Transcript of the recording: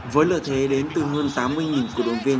với lợi thế đến từ hơn tám mươi cựu đồng viên